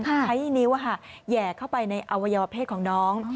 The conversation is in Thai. ใช้นิ้วแหย่เข้าไปในอวัยวะเพศของน้อง